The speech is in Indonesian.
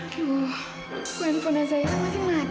jadi bolt nya ini pengen masuk